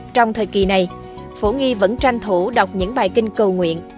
trong thời kỳ này phổ nghi vẫn tranh thủ đọc những bài kinh cầu nguyện